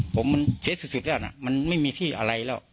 ผมมันเซ็ตสุดแล้วนะมันไม่มีที่อะไรแล้ว